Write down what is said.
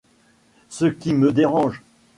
Ce qui me dérange ?